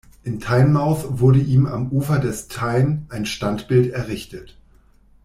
In Tynemouth wurde ihm am Ufer des Tyne ein Standbild errichtet.